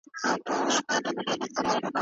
هغې خپله قصه چا ته وکړه؟